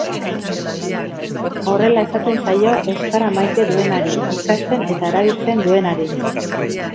Horrela esaten zaio euskara maite duenari, ikasten eta erabiltzen duenari.